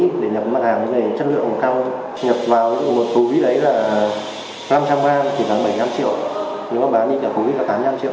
nhập mặt hàng như thế này chất lượng cao nhập vào một cố ví đấy là năm trăm linh gram thì bán bảy tám triệu nếu bán như nhập cố ví là tám chín triệu